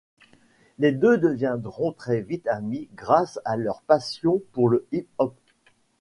Les deux deviendront très vite amis grâce à leur passion pour le hip-hop.